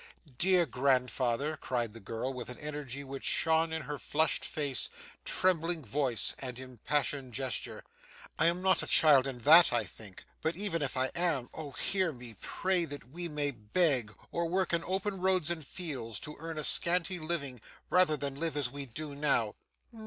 'Dear grandfather,' cried the girl with an energy which shone in her flushed face, trembling voice, and impassioned gesture, 'I am not a child in that I think, but even if I am, oh hear me pray that we may beg, or work in open roads or fields, to earn a scanty living, rather than live as we do now.